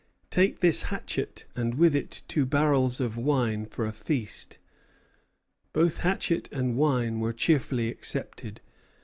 Take this hatchet, and with it two barrels of wine for a feast." Both hatchet and wine were cheerfully accepted.